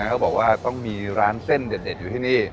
เขาบอกว่าต้องมีร้านเส้นเด็ดอยู่ที่นี่